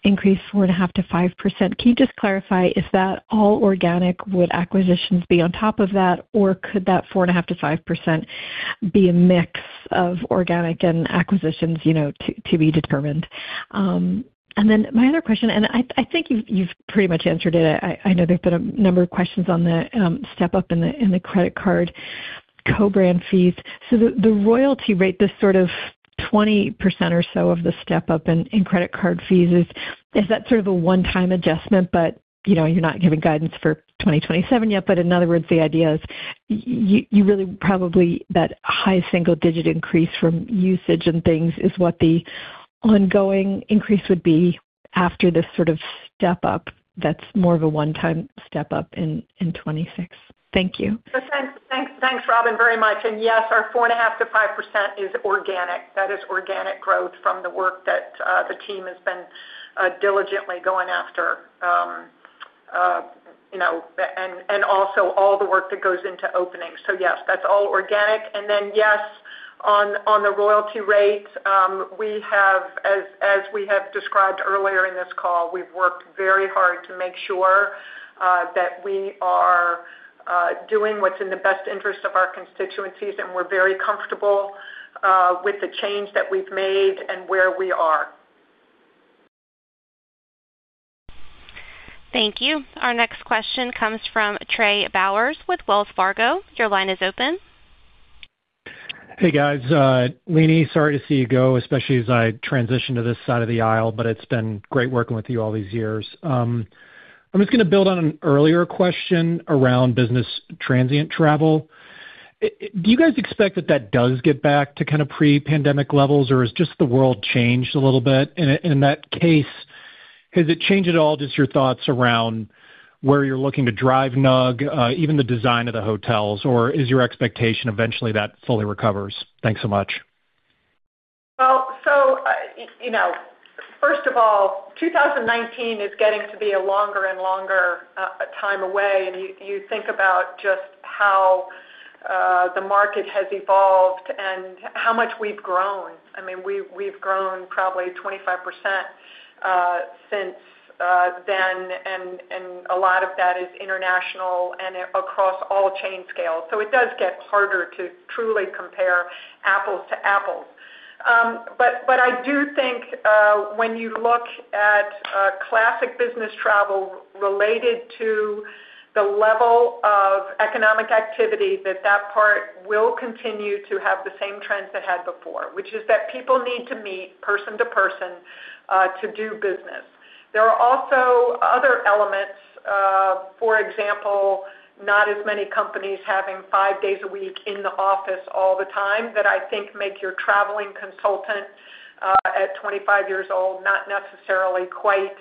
increase 4.5%-5%. Can you just clarify, is that all organic? Would acquisitions be on top of that, or could that 4.5%-5% be a mix of organic and acquisitions, you know, to be determined? And then my other question, and I think you've pretty much answered it. I know there've been a number of questions on the step up in the credit card co-brand fees. So the royalty rate, this sort of 20% or so of the step up in credit card fees, is that sort of a one-time adjustment? But, you know, you're not giving guidance for 2027 yet. But in other words, the idea is you, you really probably that high single digit increase from usage and things is what the ongoing increase would be after this sort of step up, that's more of a one-time step up in, in 2026. Thank you. So thanks, thanks, thanks, Robin, very much. And yes, our 4.5%-5% is organic. That is organic growth from the work that the team has been diligently going after. You know, and also all the work that goes into openings. So yes, that's all organic. And then, yes, on the royalty rates, we have as we have described earlier in this call, we've worked very hard to make sure that we are doing what's in the best interest of our constituencies, and we're very comfortable with the change that we've made and where we are. Thank you. Our next question comes from Trey Bowers with Wells Fargo. Your line is open. Hey, guys. Leenie, sorry to see you go, especially as I transition to this side of the aisle, but it's been great working with you all these years. I'm just going to build on an earlier question around business transient travel. Do you guys expect that that does get back to kind of pre-pandemic levels, or has just the world changed a little bit? And in that case, has it changed at all, just your thoughts around where you're looking to drive NUG, even the design of the hotels, or is your expectation eventually that fully recovers? Thanks so much. Well, so, you know, first of all, 2019 is getting to be a longer and longer time away, and you think about just how the market has evolved and how much we've grown. I mean, we've grown probably 25% since then, and a lot of that is international and across all chain scales. So it does get harder to truly compare apples to apples. But I do think, when you look at classic business travel related to the level of economic activity, that that part will continue to have the same trends it had before, which is that people need to meet person to person to do business. There are also other elements, for example, not as many companies having five days a week in the office all the time, that I think make your traveling consultant at 25 years old not necessarily quite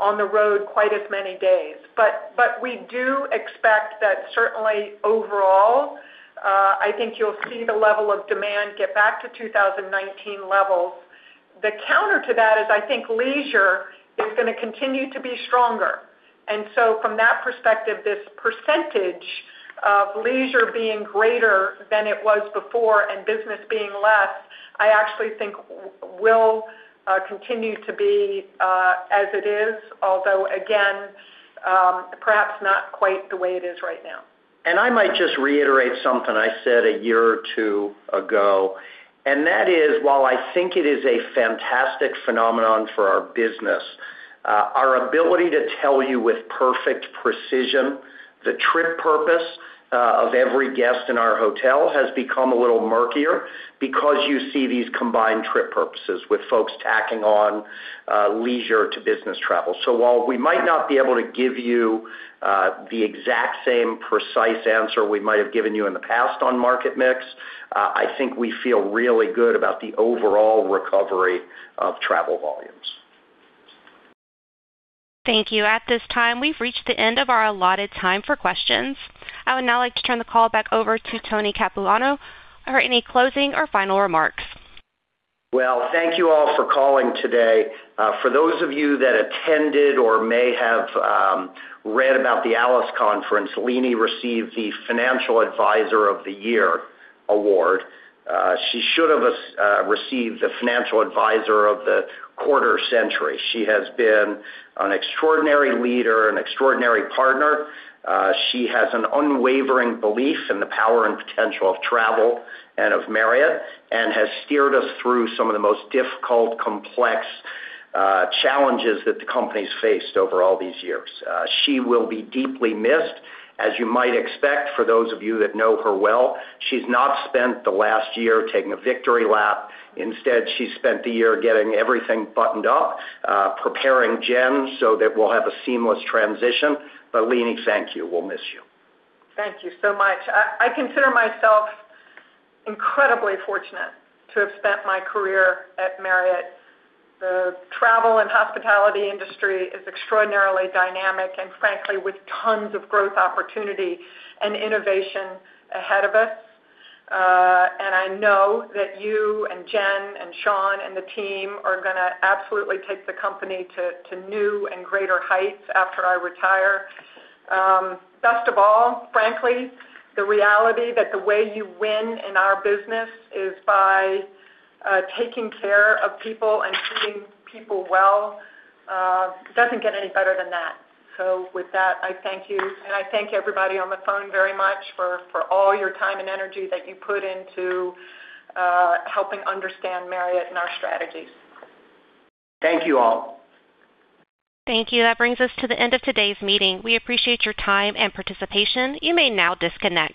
on the road quite as many days. But we do expect that certainly overall, I think you'll see the level of demand get back to 2019 levels. The counter to that is, I think leisure is going to continue to be stronger. And so from that perspective, this percentage of leisure being greater than it was before and business being less, I actually think will continue to be as it is, although, again, perhaps not quite the way it is right now. ...And I might just reiterate something I said a year or two ago, and that is, while I think it is a fantastic phenomenon for our business, our ability to tell you with perfect precision the trip purpose, of every guest in our hotel has become a little murkier, because you see these combined trip purposes, with folks tacking on, leisure to business travel. So while we might not be able to give you, the exact same precise answer we might have given you in the past on market mix, I think we feel really good about the overall recovery of travel volumes. Thank you. At this time, we've reached the end of our allotted time for questions. I would now like to turn the call back over to Tony Capuano for any closing or final remarks. Well, thank you all for calling today. For those of you that attended or may have read about the ALIS conference, Leenie received the Financial Advisor of the Year award. She should have received the Financial Advisor of the Quarter Century. She has been an extraordinary leader and extraordinary partner. She has an unwavering belief in the power and potential of travel and of Marriott, and has steered us through some of the most difficult, complex challenges that the company's faced over all these years. She will be deeply missed. As you might expect, for those of you that know her well, she's not spent the last year taking a victory lap. Instead, she's spent the year getting everything buttoned up, preparing Jen, so that we'll have a seamless transition. But Leenie, thank you. We'll miss you. Thank you so much. I consider myself incredibly fortunate to have spent my career at Marriott. The travel and hospitality industry is extraordinarily dynamic, and frankly, with tons of growth, opportunity, and innovation ahead of us. I know that you and Jen and Shawn and the team are gonna absolutely take the company to new and greater heights after I retire. Best of all, frankly, the reality that the way you win in our business is by taking care of people and treating people well doesn't get any better than that. So with that, I thank you, and I thank everybody on the phone very much for all your time and energy that you put into helping understand Marriott and our strategies. Thank you, all. Thank you. That brings us to the end of today's meeting. We appreciate your time and participation. You may now disconnect.